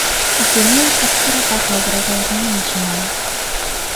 И семей и квартир атака угрожает не меньше нам.